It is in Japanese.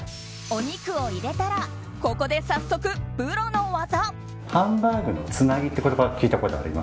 お肉を入れたらここで早速プロの技。